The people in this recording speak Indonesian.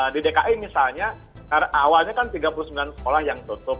di dki misalnya awalnya kan tiga puluh sembilan sekolah yang tutup